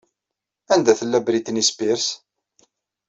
Anda tella Britney Spears?